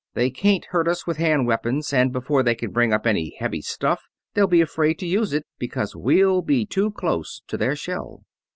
They can't hurt us with hand weapons, and before they can bring up any heavy stuff they'll be afraid to use it, because well be too close to their shell.